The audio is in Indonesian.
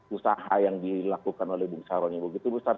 usaha yang dilakukan oleh bung saro yang begitu besar